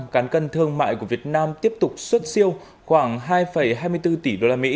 cán cân thương mại của việt nam tiếp tục xuất siêu khoảng hai hai mươi bốn tỷ usd